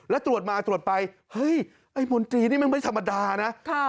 แล้วตรวจมาตรวจไปเฮ้ยไอ้มนตรีนี่มันไม่ธรรมดานะ